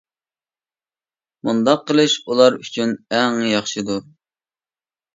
مۇنداق قىلىش ئۇلار ئۈچۈن ئەڭ ياخشىدۇر.